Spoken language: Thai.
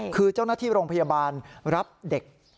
คือเจ้าหน้าที่โรงพยาบาลรับเด็ก